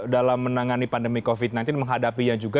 dalam menangani pandemi covid sembilan belas menghadapi yang juga